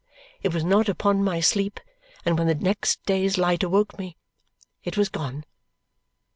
It was not upon my sleep; and when the next day's light awoke me, it was gone.